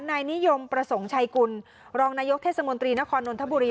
นายนิยมประสงค์ชัยกุลรองนายกเทศมนตรีนครนนทบุรี